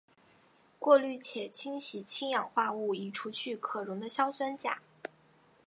过滤且清洗氢氧化物以除去可溶的硝酸钾。